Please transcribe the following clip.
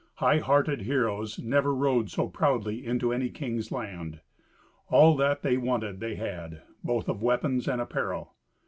High hearted heroes never rode so proudly into any king's land. All that they wanted they had, both of weapons and apparel.